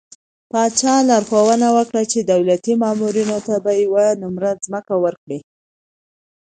پاچا لارښوونه وکړه چې د دولتي مامورينو ته به يوه نمره ځمکه ورکړي .